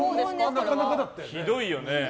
ひどいよね。